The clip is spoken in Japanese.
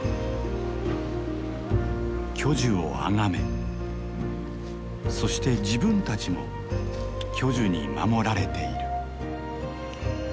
巨樹をあがめそして自分たちも巨樹に守られている。